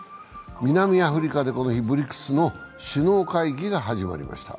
南アフリカでこの日、ＢＲＩＣＳの首脳会議が始まりました。